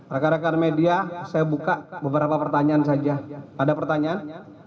rekan rekan media saya buka beberapa pertanyaan saja ada pertanyaan